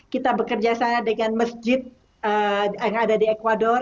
kita bekerja sama dengan masjid yang ada di ecuador